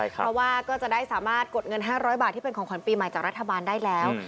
เพราะว่าก็จะได้สามารถกดเงิน๕๐๐บาทที่เป็นของขวัญปีใหม่จากรัฐบาลได้แล้ว